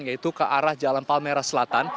yaitu ke arah jalan palmerah selatan